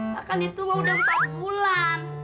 pak kan itu mau udah empat bulan